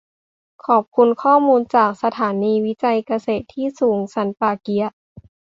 ขอบคุณข้อมูลจาก สถานีวิจัยเกษตรที่สูงสันป่าเกี๊ยะ